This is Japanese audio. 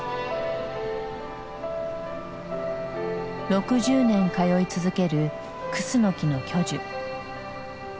６０年通い続けるクスノキの巨樹。